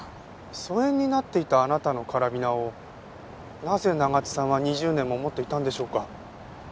疎遠になっていたあなたのカラビナをなぜ長津さんは２０年も持っていたんでしょうか？